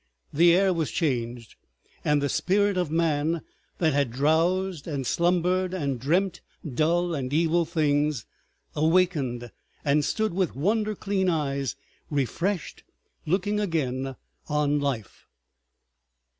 The air was changed, and the Spirit of Man that had drowsed and slumbered and dreamt dull and evil things, awakened, and stood with wonder clean eyes, refreshed, looking again on life.